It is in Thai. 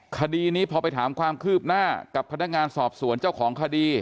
คดีนี้พอไปถามความคืบหน้ากับพนักงานสอบสวนเจ้าของคดี